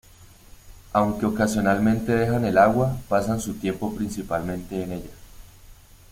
Aunque ocasionalmente dejan el agua, pasan su tiempo principalmente en ella.